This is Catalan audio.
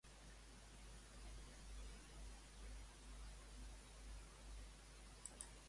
Quina és l'hora de Novosibirsk?